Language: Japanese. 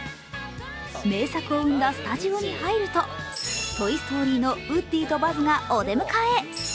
名作を生んだスタジオに入ると「トイ・ストーリー」のウッディとバズがお出迎え